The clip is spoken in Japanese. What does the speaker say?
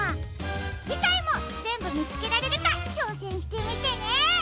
じかいもぜんぶみつけられるかちょうせんしてみてね！